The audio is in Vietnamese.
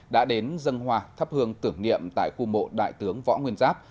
đã đến dâng hòa thắp hương tưởng niệm tại khu mộ đại tướng võ nguyên giáp